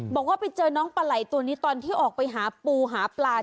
บอกว่าไปเจอน้องปลาไหล่ตัวนี้ตอนที่ออกไปหาปูหาปลา